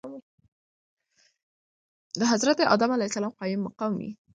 دحضرت ادم عليه السلام قايم مقام وي .